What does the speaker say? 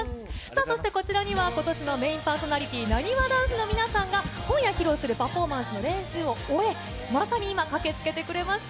そしてこちらには、ことしのメインパーソナリティー、なにわ男子の皆さんが、今夜披露するパフォーマンスの練習を終え、まさに今、駆けつけてくれました。